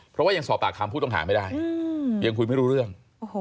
เพราะว่ายังสอบปากคำผู้ต้องหาไม่ได้ยังคุยไม่รู้เรื่อง